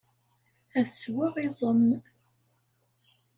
Ad sweɣ iẓem.